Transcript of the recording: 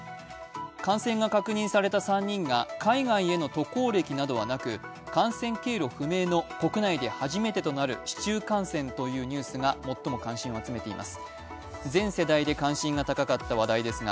感染が確認された３人が海外への渡航歴はなく感染経路不明の、国内で初めてとなる市中感染というニュースが最も関心を集めています。